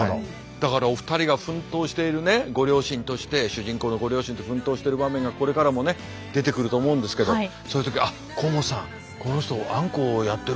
だからお二人が奮闘しているねご両親として主人公のご両親として奮闘してる場面がこれからもね出てくると思うんですけどそういう時あっ甲本さん